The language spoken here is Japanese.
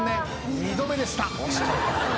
二度目でした。